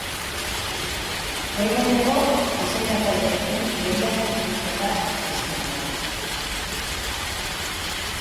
Goi mailako diseinatzaileekin lehian aritzen da ezin ukatu.